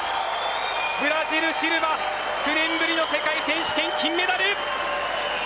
ブラジルのシルバ９年ぶりの世界選手権金メダル！